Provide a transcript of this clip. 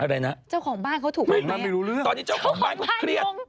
อะไรนะเจ้าของบ้านเขาถูกบ้างไหมตอนนี้เจ้าของบ้านเขาเครียด